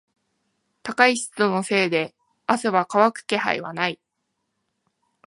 高い湿度のせいで汗は乾く気配はない。